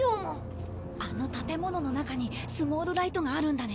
あの建物の中にスモールライトがあるんだね。